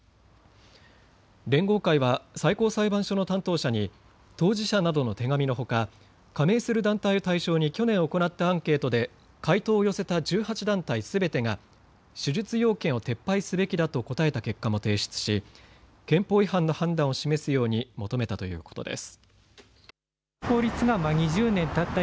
連合会は最高裁判所の担当者に当事者などの手紙のほか加盟する団体を対象に去年行ったアンケートで回答を寄せた１８団体すべてが手術要件を撤廃すべきだと答えた結果も提出し憲法違反の判断を示すように求めたということです。